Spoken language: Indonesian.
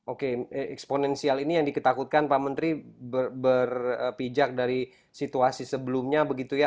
oke eksponensial ini yang diketakutkan pak menteri berpijak dari situasi sebelumnya begitu ya